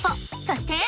そして！